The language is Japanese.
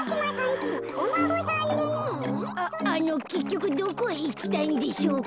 あのけっきょくどこへいきたいんでしょうか。